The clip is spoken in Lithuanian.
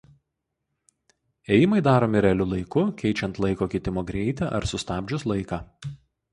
Ėjimai daromi realiu laiku keičiant laiko kitimo greitį ar sustabdžius laiką.